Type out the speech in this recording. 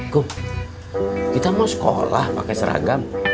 kuh kita mau sekolah pakai seragam